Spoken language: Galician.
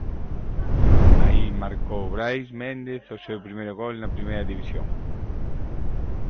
Aí marcou Brais Méndez o seu primeiro gol na Primeira División.